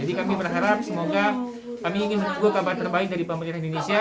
jadi kami berharap semoga kami ingin menunggu kabar terbaik dari pemerintah indonesia